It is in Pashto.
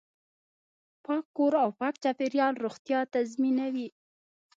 پاک کور او پاک چاپیریال روغتیا تضمینوي.